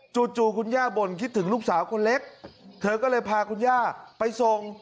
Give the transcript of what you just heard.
จู่คุณย่าบ่นคิดถึงลูกสาวคนเล็กเธอก็เลยพาคุณย่าไปส่ง